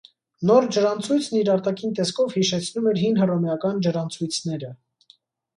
Նոր ջրանցույցն իր արտաքին տեսքով հիշեցնում էր հին հռոմեական ջրանցույցները։